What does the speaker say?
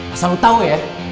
asal lo tau ya